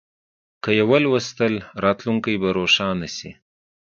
که یې ولوستل، راتلونکی به روښانه شي.